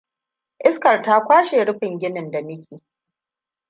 Iskar ta kwashe rufin ginin da muke.